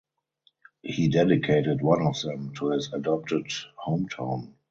He dedicated one of them to his adopted hometown.